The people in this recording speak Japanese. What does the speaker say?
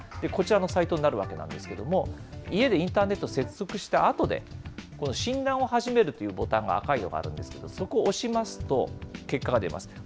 こちらのサイトになるわけなんですけれども、家でインターネット接続したあとで、診断を始めるというボタンが赤いのがあるんですけど、そこを押しますと、結果が出ます。